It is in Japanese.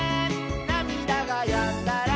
「なみだがやんだら」